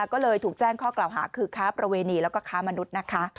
ก็เลยถูกแจ้งข้อกล่าวหาคือค้าประเวณีแล้วก็ค้ามนุษย์นะคะ